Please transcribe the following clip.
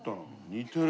似てる。